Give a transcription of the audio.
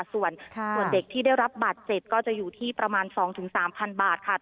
ส่วนค่ะส่วนเด็กที่ได้รับบาดเจ็บก็จะอยู่ที่ประมาณสองถึงสามพันบาทค่ะ